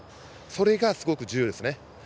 それがすごく重要ですね。